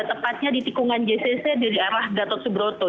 tepatnya di tikungan jcc dari arah gatot subroto